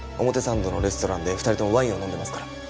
表参道のレストランで２人ともワインを飲んでますから。